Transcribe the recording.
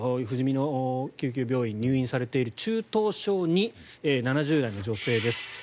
ふじみの救急病院に入院されている中等症２、７０代女性です。